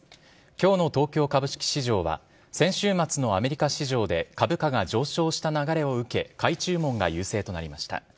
きょうの東京株式市場は、先週末のアメリカ市場で株価が上昇した流れを受け、買い注文が優勢となりました。